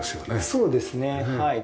そうですねはい。